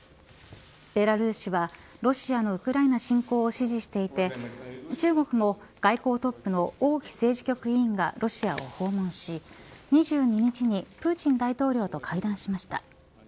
ベラルーシはロシアのウクライナ侵攻を支持していて中国も外交トップの王毅政治局委員がロシアを訪問し２２日にプーチン大統領と会談しました。